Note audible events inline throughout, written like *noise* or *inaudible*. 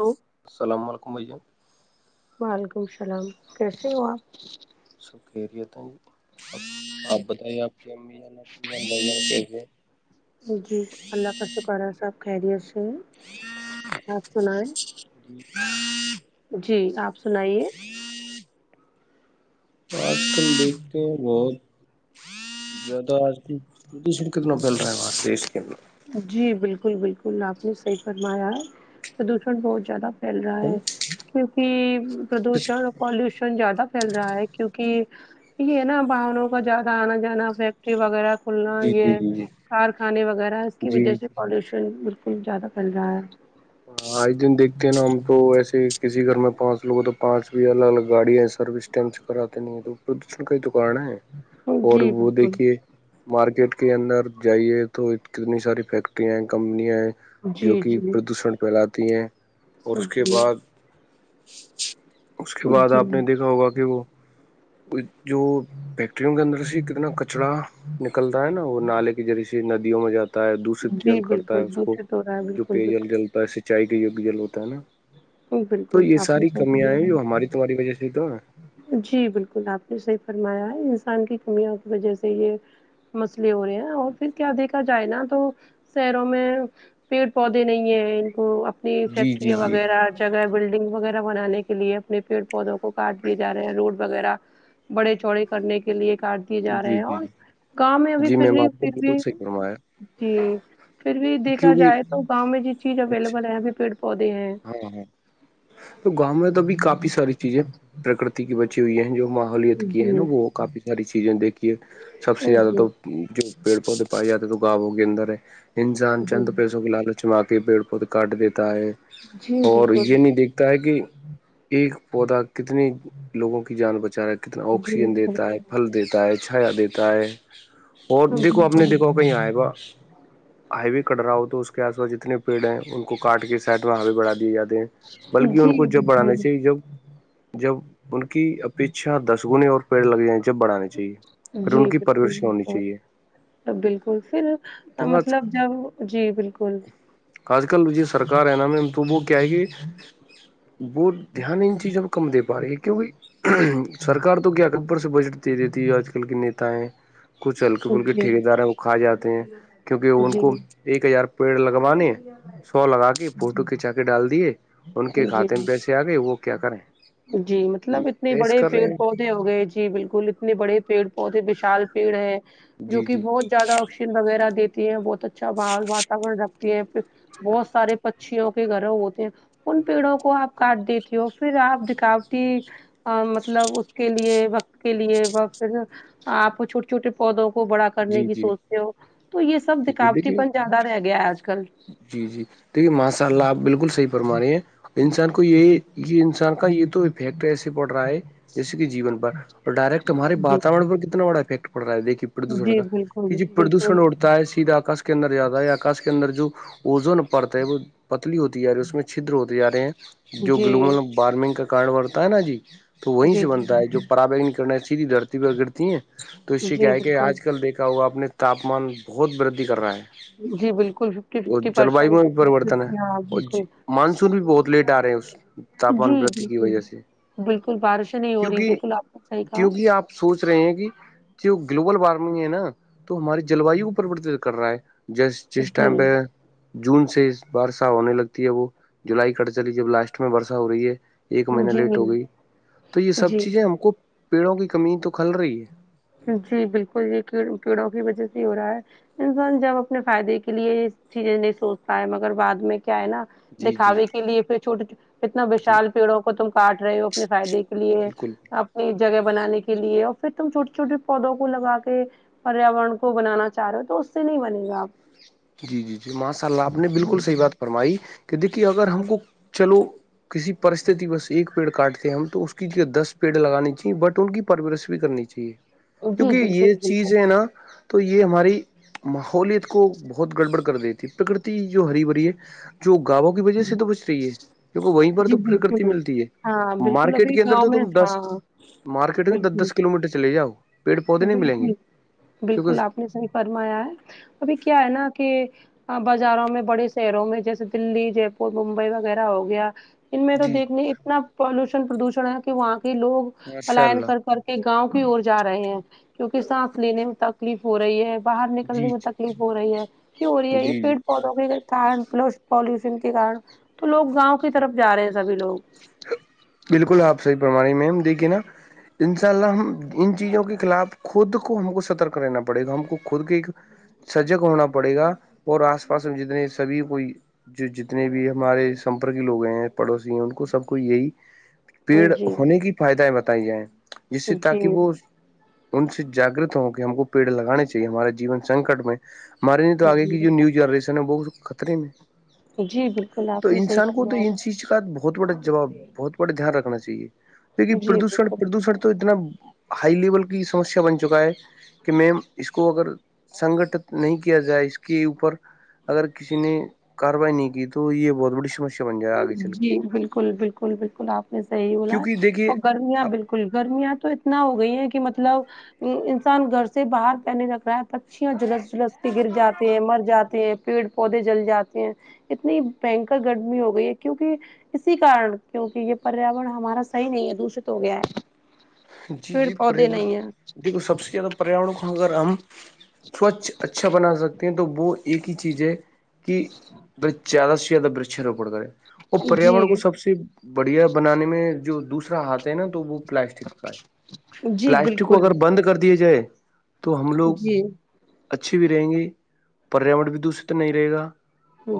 hello وعلیکم السلام کیسے ہو آپ سکھیریے تھا ج آب ت ہی آپ کی امی ے *inaudible* جی اللہ کا شکارہ صاحب خیریت سے ہیں آپ سنائیں ہ *inaudible* جی آپ سنائیے آج کل دیکھتے ہو بہت جد آج شن کتنا بل رہا ہے وہار دیش کے جی بالکل بالکل آپ نے صحیح فرمایا ہے پردوشن بہت زیادہ چل رہا ہے کیونکہ پردوشن پالوشن زیادہ پھیل رہا ہے کیونکہ یہ نا باہنوں کو زیادہ آنا جانا فیکٹری وغیرہ کھلنا جی جی یہ جی جی کارخانے وغیرہ اس کی جی وجہ سے پالوشن بالکل زیادہ پھیل رہا ہے ہاں آج دن دیکھتے ہیں نا ہم تو وسے کسی گھر میں پانچ لوگوں تو پانچ بھی الگ الگ گاڑیاں ہیں سروس ٹیم سے کراتے نہیں ہیں تو پردوشن کا ہی تو کار ہے اور جی وہ بالکل دیکھیے مارکیٹ کے اندر جائیے تو کتنی ساری فیکٹریاں ہیں کمپنیاں ہیں جی جو کہ جی پردوشن پھیلاتی ہیں اور اس کے جی بعد اس کے بعد جی آپ نے دیکھا ہوگا کہ وہ جو فیکٹریوں کے اندر سے کتنا کچرا نکلتا ہے نا وہ نالے کی جرییسی ندیوں میں جاتا تا ہے دشت جی جل کرتا ہے بالکل اس کو دوشت ہو رہا ہے جو بالکل پی جل بالکل جلتا ہے سینچائی کے یوگ جل ہوتا ہے نا تو بالکل یہ آپ نے ساری صحیح کمیاں ہیں جو کیا ہماری تہاری وجہ سے تو نا جی بالکل آپ نے صحیح فرمایا ہے انسان کی کمیوں کی وجہ سے یہ مسلے ہو رہے ہیں اور پھر کیا دیکھا ج ج نا تو شہروں میں پیڑ پودے نہیں ہے ان کو اپ جی جی فیکٹری جی وغیرہ جگہ بلڈنگ وغیرہ بنانے کے لیے اپنے پیڑ پودوں کو کاٹ دیے جا رہے ہیں روڈ وغیرہ بڑے چوڑے کرنے کے لیے کاٹ دیے جی جا رہے ہیں جی اور جی گاؤں میں ابھی جی پھر میم بھی آپ نے پھر بھی بالکل صحیح فرمایا جی پھر بھی دیکھا کیونکہ جائے تو گاؤں میں ج چیز اچھا اویلیبل ہے ابھی پیڑ پودے ہیں ہاں ہاں تو گاؤں میں تو بھی کافی ساری چیزیں پرکرتی کی بچی ہوئی ہیں جواں سلیت کی ہے نا جی وہ کافی ساری چیزیں دیکھیے سب جی سے زیادہ جی تو جو پیڑ پودے پائے جاتے ہیں تو گاؤوں کے اندر ہے انسان چند پیسوں کی لالچ چما کے پیڑ پودے کاٹ دیتا ہے جی اور بالکل یہ نہیں دیکھتا ہے کہ ایک پودا کتنے لوگوں کی جان بچا رہا کتنا جی آکسیجن دیتا ہے بالکل پھل دیتا ہے چھایا دیتا ہے اور دیکھو آپ نے بالکل دیکھاؤ کہیں آئے گا ہائی بھی کٹ رہا ہو تو اس کے آس پاس جتنے پیڑ ہیں ان کو کاٹ کے سائڈ میں ہاوے بڑا دیے جاتے ہیں بلکہ جی ان کو جب بڑھانے بالکل سےاہیے جب جب ان کی اپیچھا دس گنے اور پیڑ لگ جائیں جب بڑھانے چاہیے پھر ان کی پرورشیں ہونی چاہیے تو بالکل پھر تو آج مطلب جب جی بالکل آج کل جی سرکار ہے نا میم تو وہ کیا ہے کہ وہ دھیان ان چیزوں پہ کم دے پا رہی ہے کیونکہ سرار تو کیا ابر سے بجٹ دے دیتی ہے آج کل کے نیتا ہےیں کچھ ہلکے پلکے جی ٹھیکے دار ہیں وہ کھا جاتے ہیں کیونکہ ان جی کو ایک ہزار پیڑ لگوانے سو لگا کے فوٹو کھینچا کے ڈال دیے ان کے کھاتے جی میں پیسے آ گئے وہ کیا کریں جی مطلب اتنے پیش بڑے کر پیڑ رہے ہیں پودے ہو گئے جی جی بالکل اتنے بڑے پیڑ بہت ہی وشال پیڑ ہے جو جی کہ جی بہت زیادہ آکسیجن وغیرہ دیتی ہیں بہت اچھا واورن رکھتی ہے پھر بہت سارے پچیوں کے گرہ ہوتے ہیں ان پیڑوں کو آپ کاٹ دیتی ہو پھر آپ رکاو مطلب اس کے لیے وقت کے لیے پھر آپ کو چھ چھوٹے پودوں کو بڑا کرنے جی کی جی سوچتے ہو تو یہ سب جی جی دکھاوٹی دیکھیے پن زیادہ رہ گیا ہے آج کل جی جی دیکھیے ماشاء اللہ آپ بالکل صحیح فرمان رہے ہیں انسان کو یہ یہ انسان سان کا یہ تو فیکٹری ایسے پڑ رہا ہے جیسے کہ جیون پر اور ڈائریکٹ ہمارے جی واتاورن پر کتنا بڑا افیکٹ پڑ رہا ہے دیکھیے پردوشن جی کا بالکل ج پردوشن بالکل اڑتا ہے سیدھا آکاش کا کے اندر جیادا ہے آکاش کے اندر جو اوزون پڑتا ہے وہ پتلی ہوتی جا رہی اس میں چدر ہوتے ج رہے ہیں جو جی گلوبل وارمنگ کا کارن بڑھتا ہے نا جی تو وہیں جی سے جی بنتا ہے جو بالکل، پراابگن کرنا سیدھی دھررتی پہ گرتی ہیں تو اس سے جی کیا ہے کہ بالکل آج کل دیکھا ہوا اپنے تاپمان بہت ودھی کر رہا ہے جی بالکل تو جل وایو پرسینٹ میں بھی پریوررتن ہے ففٹی، ہاں اور بالکل، مانسون بھی بہت لیٹ آ رہے ہیں اس جی تاپمان بتی کی بالکل، وجہ سے بالکل بارشیں نہیں ہو رہی کیونکہ بالکل آپ نے صحیح کہا کیونکہ آپ سوچ رہے ہیں کہ جو گلوبل وارمنگ ہے نا تو ہماری جلواو کو پرورتت کر رہا ہے جس جس ٹائم پہ جون سے برشا ہونے لگتی ہے وہ جولائی کٹ چلی جب لاسٹ میں برشا ہو رہی ہے ایک مہینہ جی، لیٹ جی، ہو گئی تو یہ سب جی، چیزیں ہم کو پیڑوں کی کمی تو کھل رہی ہے جی بالکل یہ کییڑوں کی وجہ سے ہو رہا ہے انسان جب اپنے فائدے کے لیے چیزیں نہیں سوچتا ہے مگر بعد میں کیا ہے نا جی جی دکھاے کے لیے پھر چھوٹے اتنا جی وشال پیڑوں کو تم کاٹ رہے ہو اپنے فائدے کے لیے بالکل جگہ بنانے کے لیے اور پھر تم چھوٹی چھوٹیے پودوں کو لگا کے پریاورن کو بنانا چاہ رہے ہو تو اس سے نہیں بنے گا آپ جی جی جی ماشاء اللہ آپ نے بالکل جی صحیح بات فرمائی کہ دیکھیے اگر ہم کو چلو کسی پرستتتی بس ایک پیڑ کاٹتے ہیں ہم تو اس کی دس پیڑ لگانانی چاہی بٹ ان کی پرورورش بھی کرنی چاہیے جی کیونکہ بالکل یہ بالکل چیز ہے نا تو یہ ہماری ماحولیت کو بہت گڑبڑ کر دیتی پرکرتی جو ہری بھری ہے جو گاووں کی وجہ سے تو بچ رہی ہے کیونکہ وہیں پر جی تو پرکرتی بالکل ملتی ہے ہاں بالکل مارکیٹ ابھی کے اندر گاؤں تو میں تم دس ہاں مارکیٹ کے دس بالکل دس کلو میٹر چلے جاؤ پیڑ پودے نہیں ملیں گے بالکل بالکل کیونکہ آپ نے صحیح فرمایا ہے ابھی کیا ہے نا کہ بازاروں میں بڑے شہروں میں جیسے دلی جے پور ممبئی وغیرہ ہو گیا ان میں تو جی دیکھنے اتنا پالوشن پردوشن ہے کہ وہاں کے لوگ ماشاء پلاائن اللہ کر کر گاؤں کی اور جا رہے ہیں کیوںکہ سانس لینے تک تکلیف ہو رہی ہے باہر جی نکلنے میں جی تکلیف ہو رہی ہے کی ہو رہی ہے یہ جی جی پیڑ پودوں میں پالوشن کے کارن تو لوگ گاؤں کی طرف جا رہے ہیں سبھی لوگ بالکل آپ صحی پرمانے میم دیکھیے نا ان شاء اللہ ہم ان چیزوں کے خلاف خود کو ہم کو سترک رہنا پڑے گا ہم کو خود کے ایک سجگ ہونا پڑے گا اور آس پاس میں جتنے سبھی کوئی جو جتنے بھی ہمارے سمپرک لوگ ہیں پڑوسی ہیں ان کو سب کو یہی پیڑ جی ہونے کی فائدائیں بتائی جائیں جس سے جی تاکہ وہ ان سے جاگگرت ہوں کہ ہم کو پیڑ لگانے چاہیے ہمارے جیون سنکٹ میں ہمارے نہیں تو آگے جی کی جو نیو جنریشن ہے وہ خطرے میں جی بالکل تو آپ نے صحیح انسان کو تو ان فرمایا چیز کا ب بہت بڑا جواب بہت بڑا دھیان رکھنا چاہیے دیک کہ جی پردوشن بالکل پردوشن تو اتنا ہائی لیول کی سمسیا بن چکا ہے کہ میم اس کو اگر سنگٹت نہیں کیا جائے اس کے اوپر اگر کسی نے کاروائی نہیں کی تو یہ بہت بڑی سمس جی بالکل بالکل بالکل آپ نے صحیح بولا کیونکہ دیکھیے اور گ گرمیاں بالکل گرمیاں تو اتنا ہو گئی ہیں کہ مطلب انسان گھر سے باہر پنے لگ رہا ہے پکھیاں جھلس جھلس کے گر جاتے ہیں مر جاتے پیڑ پودے جل جاتے ہیں اتنی بنکر گرمی ہو گئی ہے کیونک اسی کارن کیوںکہ یہ پریاورن ہمارا صحیح نہیں ہے دوشت ہو گیا ہے پھر پودے نہیں ہے دیکو سب سے زیادہ پریاور کو اگر ہم سوچھ اچ اچھا بنا سکتے ہیں تو وہ ایک ہی چیز ہے کہ برچھ زیادہ سے زیادہ برچ روپڑ کرے اور جی پیاورن کو سب سے بڑھیا بنانے میں جو دوسرا ہاتھ ہے نا تو وہ پلاس جی پلاسٹک کو بالکل اگر بند کر دیے جائے تو ہم لوگ جی اچھی بھی رہیں گی پریاور بھی دوسر ت نہیں رہے گا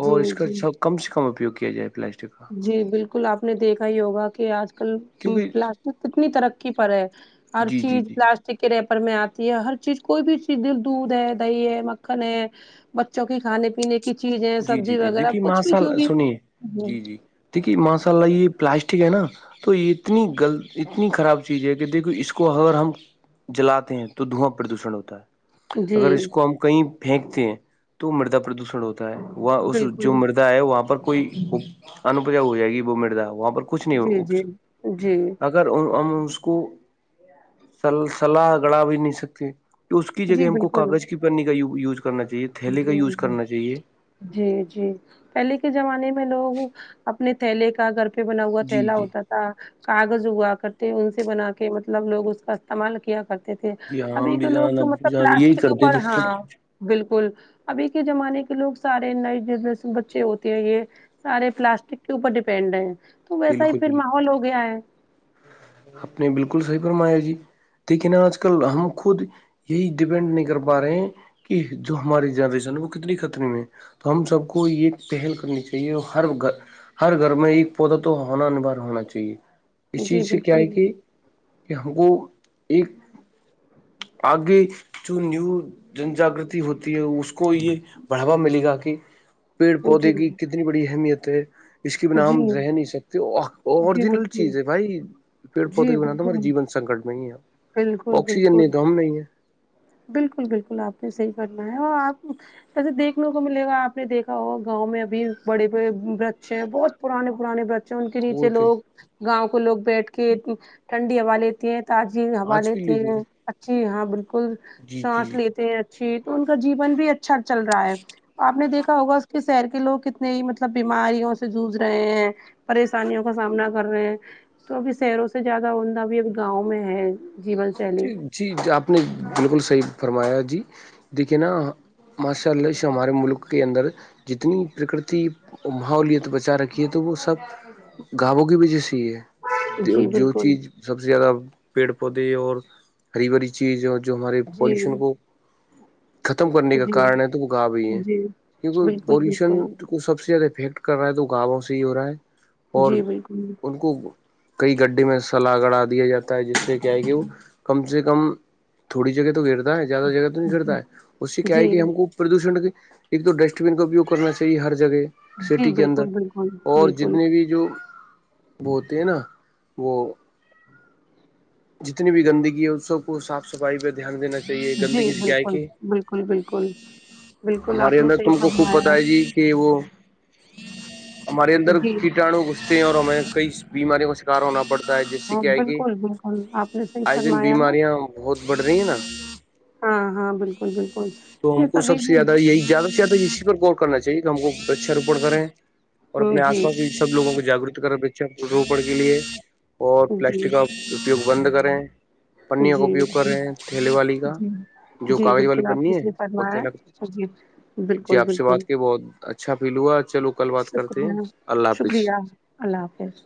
اور جی اس کا جی سب کم سے کم اپیوگ کیا جائے پلاسٹک کا جی بالکل آپ نے دیکھا ہی ہوگا کہ آج کل کیونکہ پلاسٹک کتنی طرق کی پر ہے ہر جی جی چیز جی لسٹ رے پرر میں آتی ہے ہر چیز کوئی بھی چیز د دودھ ہے دہی ہے مکھن ہے بچوں کی کھانے پینے کی چیزیں جی جی سبزی جی وغیرہ دیکھیے کچھ بھی جو بھی ٹھیک یہ مسا اللہ یہ پلاسٹک ہے نا تو یہ اتنی ل اتنی خراب چیز ہے کہ دیکھو اس کو اگر ہم جلاتے ہیں تو دھواں پردوشن ہوتا ہے جی اگر اس کو ہم کہیں پھینکتے ہیں تو مردہ پردوشن ہوتا ہے وہ اس جو بالکل مرد ہے وہاں پر کوئی انپجا ہو جائے گی وہ مردا وہاں پر کوئی کچھ نہیں جی ہو جی ا جی اگر ہم اس کو سلاح گڑا بھی نہیں سکتے تو اس کی جگہ جی ہم کو بالکل کاغذ کی پنی کا یوز کرنا چاہیے تھیلے کا جی یوز کرنا چاہیے ج جی جی پہلے کے زمانے میں لوگ اپنے تھیلے کا گھر پہ بنا ہوا جی تھیلا جی ہوتا تھا کاغذ اگا کرتے ان سے بنا کے مطلب لوگ اس کا استعمال کیا کرتے تھے جی ہاں ہم ابھی کے بھی لوگ جان جو ابو مطلب جان یہی پلاسٹک کرتے اوپر تھے ہاں سر بالکل اسکول ابھی کے زمانے کے لوگ سارے نئے بچے ہوتے ہیں یہ سارے پلاسٹک کے اوپر ڈیپینڈ ہیں تو ویسا ہی بالکل پھر ماحول ہو گیا ہے اپنے بالکل صحیح فرمایا جی لیکن آج کل ہم خود یہی ڈپینڈ نہیں کر پا رہے ہیں کہ جو ہماری جنریشن ہے وہ کتنی ختر میں ہے تو ہم سب کو یہ پہل کرنی چاہیے ہر گ ہر گھر میں ایک پودا تو ہونا انبار ہونا چاہیے اس جی چیز سے کیا بالکل ہے کہ کہ ہم کو ایک آگے جو نیو جن جاگگرتی ہوتی ہے اس کو کو یہ بڑھاوا ملے گا کہ پیڑ جی پودے کی کتنی بڑی اہمیت ہے اس کی بھی ن ہم جی رہ نہیں سکتے جی اوریجنل چیز بالکل ہے بھائی پیڑ پودے جی کے بناان تو ہمارے بالکل جیون سنکٹ میں ہی ہے بالکل آکسیجن بالکل نہیں تو ہم نہیں ہے بالکل بالکل آپ نے صحیح کرنا ہے اور آپ ایسے دیکھنے کو ملے گا آپ نے دیکھا ہو گاؤں میں ابھی بڑے بڑے ورچ ہے بہت پرانے پرانےکچ ان کے نیچے وہ تھے لوگ گاؤں کو لوگ بیٹھ کے ٹھنڈی ہوا لیتی ہیں تازی ہوا آج بھی لیتے لے ہیں لیے اچھی ہاں بالکل جی جی سانس لیتے ہیں جی تو ان کا جیون بھی اچھا چل رہا ہے آپ نے دیکھا ہوگا اس کے شہر کے لوگ کتنے نئی مطلب بیماریوں سے جھ رہے ہیں پریشانیوں کا سامنا کر رہے ہیں تو ابھی شہروں سے زیادہ عمدہ بھی ابھی گاؤں میں ہے جیون شیلی جی جی آپ نے بالکل صحیح فرمایا جی دیکھیے نا ماشاء اللہ جو ہمارے ملک کے اندر جتنی پرکرتی ماحولت بچا رکھی ہے تو وہ سب گابوں کی بھی جیسیی ہے جی جو بالکل چیز سب سے زیادہ پیڑ پودے اور ہری بری چیز اور جو ہمارے جی پالوشن کو ختم کرنے کا جی کارن ہے تو وہ گااب ہی ہے جی کیکہ بالکل پالوشن بالکل کو سب سے زیادہ افیکٹ کر رہا ہے تو گاؤوں سے ہی ہو رہا ہے اور جی بالکل ان کو کئی گڈے میں سلا گڑا دیا جاتا ہے جس سے جائے گی وہ کم سے کم تھوڑی جگہ تو گر ہے زیادہ جگہ تو نہیں پڑتا ہے اس سے کیا جی ہے کہ ہم کو پردوشن ایک تو ڈسٹ بین کا اپیوگ کرنا چاہیے ہر جگہ جی سٹی کے اندر بالکل بالکل اور بالکل جتنے بھی جو وہ ہوتے ہیں نا وہ جتنی بھی گندگی ہے اس سب کو صف صفائی پہ دھیان دینا چاہیے تو یہ جی گندگی سے کیا ہے بالکل کہ بالکل بالکل بالکل ہمارے آپ نے اندر صحیح تم کو خوب فرمایا پت ہے جی کہ وہ ہمارے ہے اندر جی کیٹانو گھستے ہیں اور ہمیں کئی بیماریوں کا شکار ہونا پڑتا ہوتا ہے جس سے ہاں کیا ہے کہ بالکل بالکل آپ نے صحیح آئے دن فرمایا ہے بیماریاں بہت بڑھ رہی ہیں نا ہاں ہاں بالکل بالکل تو ہم یہ کو سبھی سب سے زیادہ یہی زیادہ سے زیادہ اسی پر ور کرنا چاہیے کہ ہم کو اچھا روپٹ کریں اور اپنے آس جی پاس سب لووں کو جاگرک کرنا بچے روپن کے لیے اور جی پلاسٹک کا اپوگ بند کرے پنیا کا جی اپیوگ کر بالکل رہے ہیں تھیلے والی کا جو جی کاغذ والی بالکل آپ نے پنی ہے صحیح اور ت فرمایا ہے جی جی بالکل آپ سے بات بالکل کی ب اچھا فیل ہوا چلو کل بات کرتے ہیں شکریہ اللہ حافظ شکریہ اللہ حافظ